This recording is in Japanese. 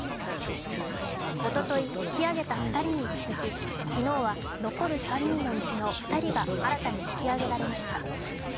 おととい引き揚げた２人に続き、残る３人のうちの２人が新たに引き揚げられました。